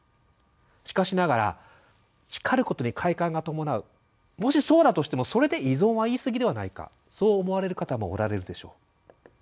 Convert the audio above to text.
しかしながら叱ることに快感が伴うもしそうだとしてもそれで「依存」は言い過ぎではないかそう思われる方もおられるでしょう。